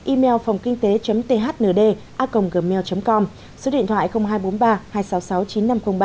email phongkingtế thnd a gmail com số điện thoại hai trăm bốn mươi ba hai trăm sáu mươi sáu chín nghìn năm trăm linh ba